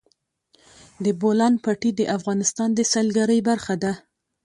د بولان پټي د افغانستان د سیلګرۍ برخه ده.